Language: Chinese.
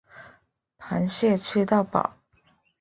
螃蟹吃到饱